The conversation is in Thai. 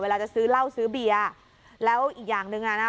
จะซื้อเหล้าซื้อเบียร์แล้วอีกอย่างหนึ่งอ่ะนะ